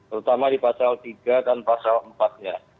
terutama di pasal tiga dan pasal empat nya